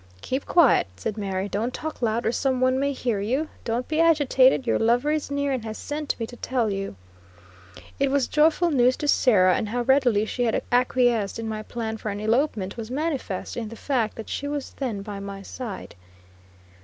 "Keep quiet," said Mary: "don't talk loud, or some one may hear you; don't be agitated; your lover is near, and has sent me to tell you." It was joyful news to Sarah, and how readily she had acquiesced in my plan for an elopement was manifest in the fact that she was then by my side.